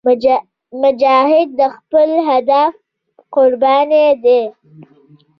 مجاهد د خپل هدف قرباني دی.